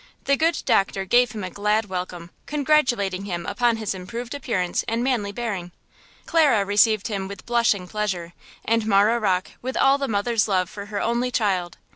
The good doctor gave him a glad welcome, congratulating him upon his improved appearance and manly bearing. Clara received him with blushing pleasure, and Marah Rocke with all the mother's love for her only child.